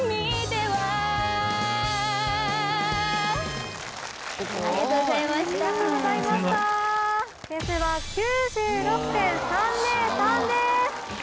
点数は９６．３０３です！